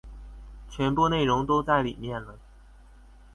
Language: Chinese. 全部内容都在里面了